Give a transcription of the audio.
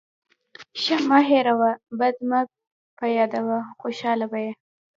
ښه مه هېروه، بد مه پیاده وه. خوشحاله به يې.